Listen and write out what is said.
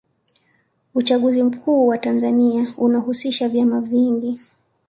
uchaguzi mkuu wa tanzania unahusisha vyama vingi